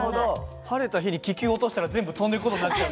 晴れた日に気球を落としたら全部飛んでく事になっちゃう。